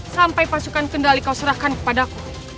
sampai pasukan kendali kau serahkan kepada aku